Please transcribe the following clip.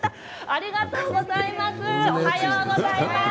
ありがとうございます。